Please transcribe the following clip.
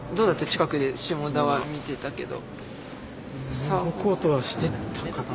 近くで霜田は見てたけど。